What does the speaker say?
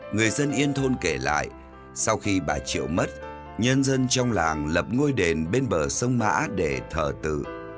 người dân yên thôn kể lại sau khi bà triệu mất nhân dân trong làng lập ngôi đền bên bờ sông mã để thờ tự